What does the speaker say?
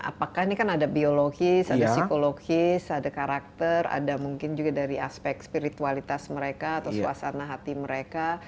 apakah ini kan ada biologis ada psikologis ada karakter ada mungkin juga dari aspek spiritualitas mereka atau suasana hati mereka